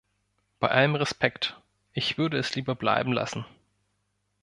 Bei allem Respekt – ich würde es lieber bleiben lassen.